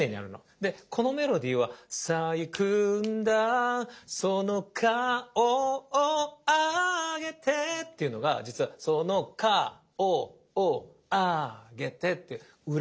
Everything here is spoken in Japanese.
でこのメロディーは「さあ行くんだその顔をあげて」っていうのが実は「その顔をあげて」って裏のビートに乗ってんの。